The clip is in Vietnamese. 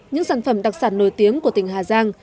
những sản phẩm đặc sản nổi tiếng của tỉnh hà giang